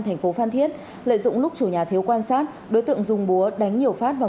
thành phố phan thiết lợi dụng lúc chủ nhà thiếu quan sát đối tượng dùng búa đánh nhiều phát vào